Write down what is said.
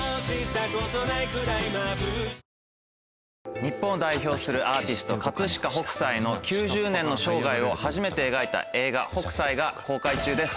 日本を代表するアーティスト飾北斎の９０年の生涯を初めて描いた映画『ＨＯＫＵＳＡＩ』が公開中です。